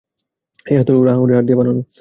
এই হাতলগুলো হাঙ্গরের হাড় দিয়ে বানানো।